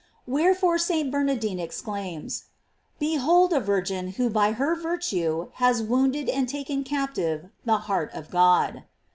§ Wherefore St. Bernardine ex< claims: Behold a Virgin who by her virtue has wounded and taken captive the heart of God.